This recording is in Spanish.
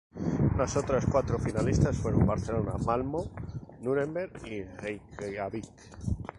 Las otras cuatro finalistas fueron: Barcelona, Malmö, Núremberg y Reikiavik.